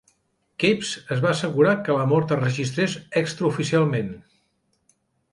Kappes es va assegurar que la mort es registrés "extraoficialment".